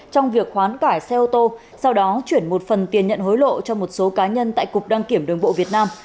trong việc hoán cải xe ô tô sau đó chuyển một phần tiền nhận hối lộ cho một số cá nhân tại cục đăng kiểm đường bộ việt nam